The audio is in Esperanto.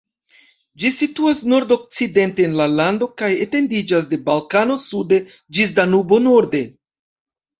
Ĝi situas nord-okcidente en la lando kaj etendiĝas de Balkano sude ĝis Danubo norde.